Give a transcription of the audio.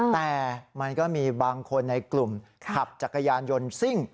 แต่มันก็มีบางคนในกลุ่มขับจักรยานยนต์ซิ่ง